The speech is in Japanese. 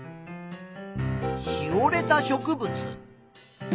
しおれた植物。